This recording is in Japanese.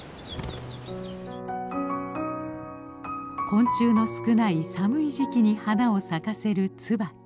昆虫の少ない寒い時期に花を咲かせるツバキ。